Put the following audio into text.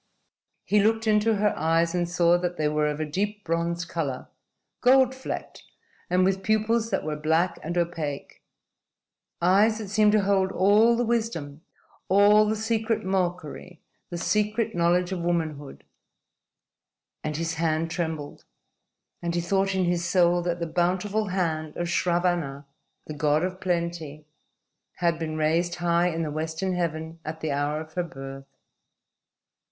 He looked into her eyes and saw that they were of a deep bronze color, gold flecked, and with pupils that were black and opaque eyes that seemed to hold all the wisdom, all the secret mockery, the secret knowledge of womanhood and his hand trembled, and he thought in his soul that the bountiful hand of Sravanna, the God of Plenty, had been raised high in the western heaven at the hour of her birth.